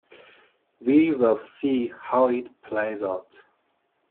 We will see how it plays out.